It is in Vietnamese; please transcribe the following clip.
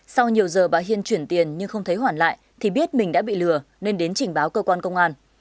sau nhiều giờ bà hiên chuyển tiền nhưng không thấy hoàn lại thì biết mình đã bị lừa nên đến trình báo cơ quan công an